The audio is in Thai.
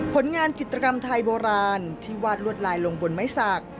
ผลงานกิจกรรมไทยโบราณที่วาดลวดลายลงบนไม้สัก